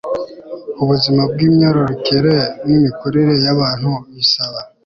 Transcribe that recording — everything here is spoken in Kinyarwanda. ubuzima bw imyororokere n imikurire y abantu bisaba